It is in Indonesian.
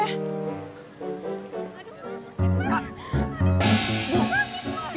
aduh sakit banget